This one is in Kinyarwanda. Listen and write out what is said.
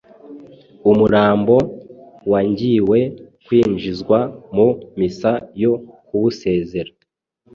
umurambo wangiwe kwinjizwa mu misa yo kuwusezera